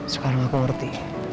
sekarang aku ngerti